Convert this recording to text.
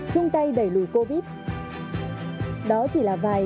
cảm ơn các bạn đã theo dõi